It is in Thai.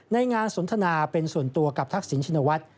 ในงานสนทนาเป็นส่วนตัวกับทักษิณชินวัฒน์